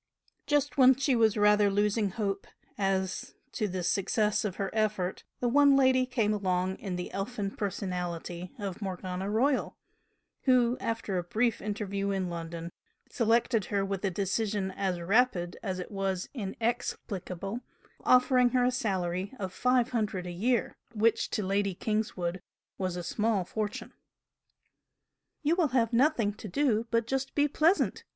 Just when she was rather losing hope as to the success of her effort, the "one lady" came along in the elfin personality of Morgana Royal, who, after a brief interview in London, selected her with a decision as rapid as it was inexplicable, offering her a salary of five hundred a year, which to Lady Kingswood was a small fortune. "You will have nothing to do but just be pleasant!"